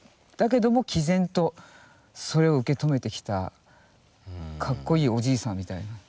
だけども毅然とそれを受け止めてきた「カッコいいおじいさん」みたいな。